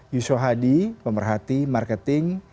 yusho hadi pemerhati marketing